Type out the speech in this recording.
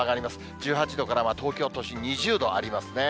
１８度から、東京都心２０度ありますね。